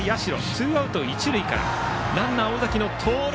ツーアウト一塁からランナー、尾崎の盗塁。